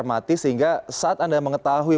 mati sehingga saat anda mengetahui